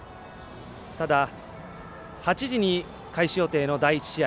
ただ、８時に開始予定の第１試合。